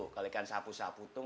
kalau ikan sapu sapu tuh